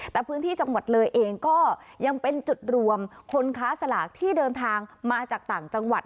แต่พื้นที่จังหวัดเลยเองก็ยังเป็นจุดรวมคนค้าสลากที่เดินทางมาจากต่างจังหวัด